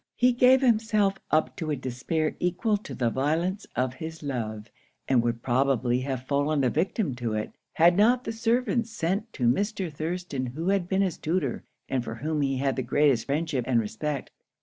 He gave himself up to a despair equal to the violence of his love, and would probably have fallen a victim to it, had not the servants sent to Mr. Thirston, who had been his tutor, and for whom he had the greatest friendship and respect.